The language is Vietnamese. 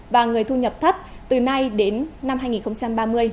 và người thu nhập thấp từ nay đến năm hai nghìn ba mươi